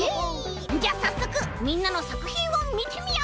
じゃあさっそくみんなのさくひんをみてみよう！